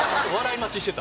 待ちしてた。